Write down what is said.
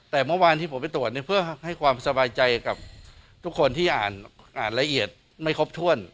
แต่เมื่อวานที่ผมไปตรวจเพื่อให้ความสบายใจกับทุกคนที่อ่านละเอียดไม่ครบถ้วน